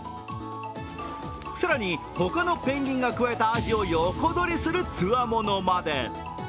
更に他のペンギンが加えた味を横取りするつわものまで。